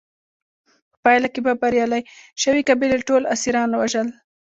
په پایله کې به بریالۍ شوې قبیلې ټول اسیران وژل.